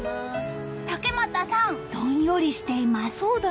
竹俣さん、どんよりしています。